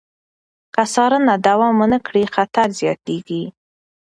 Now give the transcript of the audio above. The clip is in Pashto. که څارنه دوام ونه کړي، خطر زیاتېږي.